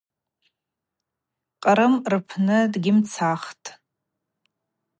Кърым рпны дгьымцахтӏ.